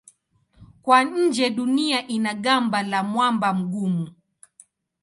Kwa nje Dunia ina gamba la mwamba mgumu.